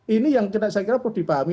ini yang saya kira perlu dipahami